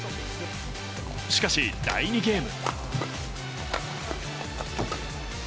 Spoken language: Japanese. しかし、第２ゲーム。